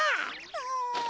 うん。